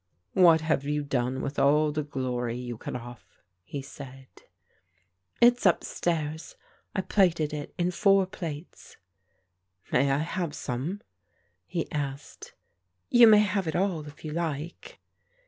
"What have you done with all the glory you cut off?" he said. "It is upstairs. I plaited it in four plaits." "May I have some?" he asked. "You may have it all if you like."